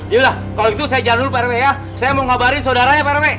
yaudah kalau gitu saya jalan dulu pak rw ya saya mau ngabarin saudaranya pak rw